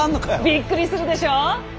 びっくりするでしょ？